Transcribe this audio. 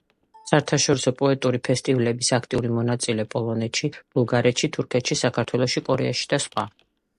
საერთაშორისო პოეტური ფესტივალების აქტიური მონაწილე პოლონეთში, ბულგარეთში, თურქეთში, საქართველოში, კორეაში და სხვა.